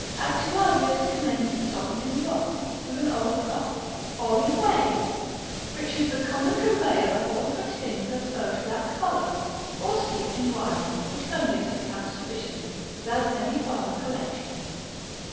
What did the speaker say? Actuarius commends it sodden in broth, with an old cock, or in whey, which is the common conveyor of all such things as purge black choler; or steeped in wine, which Heurnius accounts sufficient, without any farther correction.